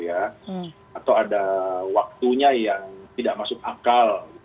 atau ada waktunya yang tidak masuk akal